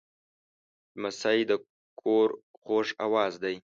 لمسی د کور خوږ آواز دی.